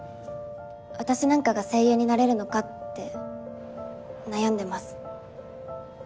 私なんかが声優になれるのかって悩んでます。